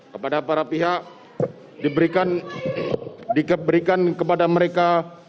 kepada para pihak diberikan kepada mereka